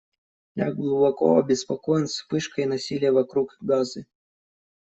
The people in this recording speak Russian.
Я глубоко обеспокоен вспышкой насилия вокруг Газы.